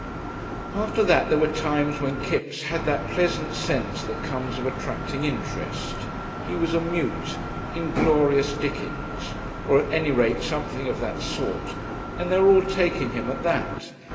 After that there were times when Kipps had that pleasant sense that comes of attracting interest. He was a mute, inglorious Dickens, or at any rate something of that sort, and they were all taking him at that.